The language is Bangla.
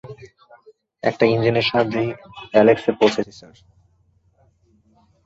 একটা ইঞ্জিনের সাহায্যেই অ্যালেক্সে পৌঁছেছি, স্যার।